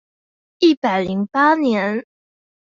一百零八年